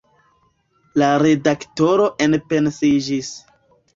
La redaktoro enpensiĝis.